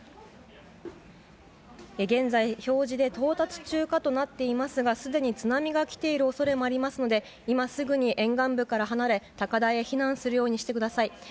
現在、表示で到達中かとなっていますがすでに津波が来ている恐れもありますので今すぐに沿岸部から離れ、高台に避難するようにしてください。